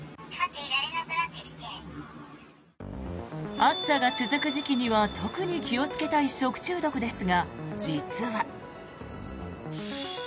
暑さが続く時期には特に気をつけたい食中毒ですが実は。